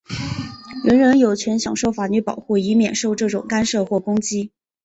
人人有权享受法律保护,以免受这种干涉或攻击。